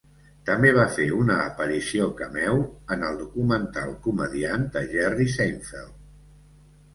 També va fer una aparició cameo en el documental "Comediant" de Jerry Seinfeld.